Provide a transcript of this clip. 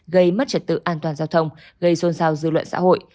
gây mất trật tự an toàn giao thông gây xôn xao dư luận xã hội